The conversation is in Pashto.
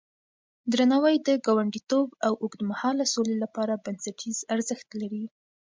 درناوی د ګاونډيتوب او اوږدمهاله سولې لپاره بنسټيز ارزښت لري.